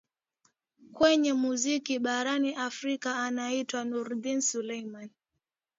kwenye muziki barani afrika naitwa nurdin selumani